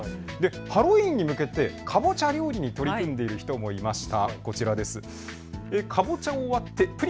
ハロウィーンに向けてかぼちゃ料理に取り組んでいる人もいました。